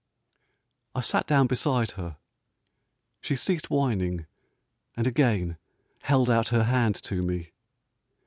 I sat down beside her ; she ceased whining, and again held out her hand to me.